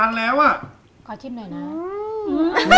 อันนี้คืออันนี้คืออันนี้คือ